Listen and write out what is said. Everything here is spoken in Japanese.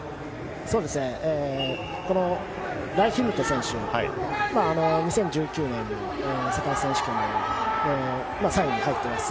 ライヒムト選手、２０１９年の世界選手権の３位に入っています。